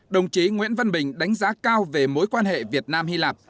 đồng chí nguyễn văn bình đánh giá cao về mối quan hệ việt nam hy lạp